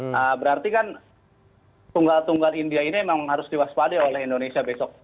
nah berarti kan tunggal tunggal india ini memang harus diwaspade oleh indonesia besok